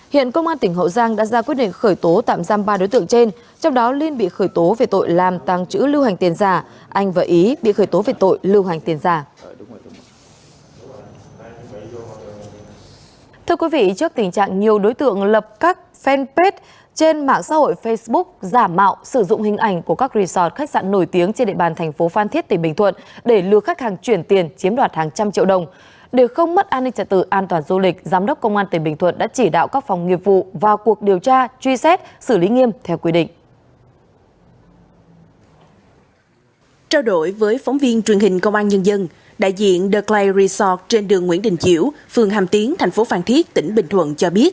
hiện công an tỉnh bình thuận đang thủ lý điều tra vụ việc